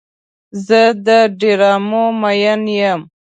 زه د ډرامو مین یم.